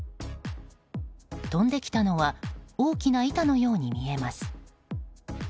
飛んできたのは大きな板のように見えます。